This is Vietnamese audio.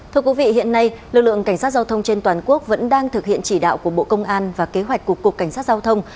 thưa quý vị hiện nay lực lượng cảnh sát giao thông trên toàn quốc vẫn đang thực hiện chỉ đạo của bộ công an và kế hoạch của cục cảnh sát giao thông